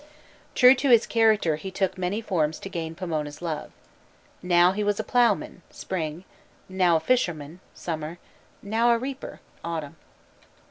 True to his character he took many forms to gain Pomona's love. Now he was a ploughman (spring), now a fisherman (summer), now a reaper (autumn).